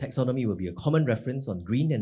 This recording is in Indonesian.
taxonomy akan menjadi referensi yang sering